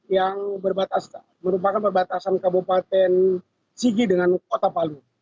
yang merupakan perbatasan kabupaten sigi dengan kota palu